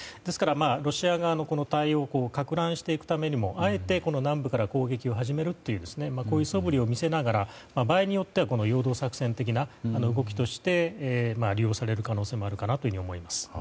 ロシア側の対応を攪乱していくためにもあえて南部から攻撃を始めるこういうそぶりを見せながら場合によっては陽動作戦的な動きとして利用される可能性もあるかなと思います。